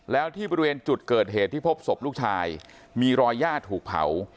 แล้วที่บริเวณจุดเกิดเหตุที่พบศพลูกชายมีรอยย่าถูกเผา